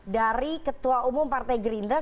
dari ketua umum partai green drama